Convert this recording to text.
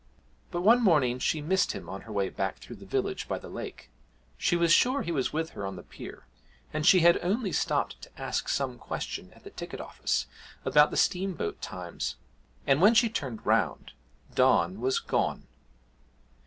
But one morning she missed him on her way back through the village by the lake; she was sure he was with her on the pier, and she had only stopped to ask some question at the ticket office about the steamboat times; and when she turned round, Don was gone.